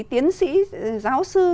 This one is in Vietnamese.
tiến sĩ giáo sư